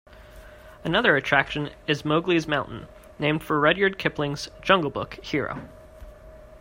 Another attraction is Mowglis Mountain, named for Rudyard Kipling's "Jungle Book" hero.